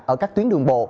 ở các tuyến đường bộ